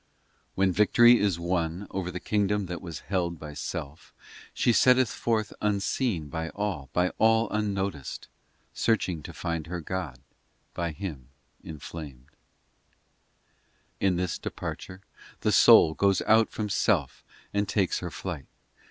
in When victory is won Over the kingdom that was held by self, She setteth forth unseen By all, by all unnoticed, Searching to find her God, by Him inflamed POEMS 299 IV In this departure The soul goes out from self and takes her flight.